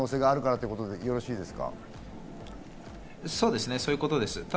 そうです、そういうことです。